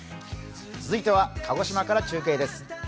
続いては鹿児島から中継です。